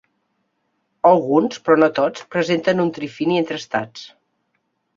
Alguns, però no tots, presenten un trifini entre estats.